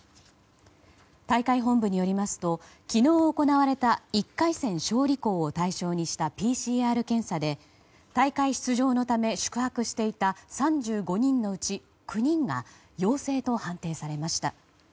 大会本部によりますと昨日行われた１回戦勝利校を対象にしたＰＣＲ検査で大会出場のため宿泊していた３５人のうち９人が陽性と判定されました。